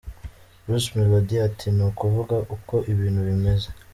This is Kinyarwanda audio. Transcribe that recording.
Bruce Melodie ati “Ni ukuvuga, uko ibintu bimeze.